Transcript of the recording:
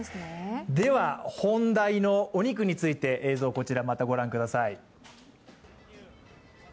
では本題のお肉について、映像こちらご覧ください。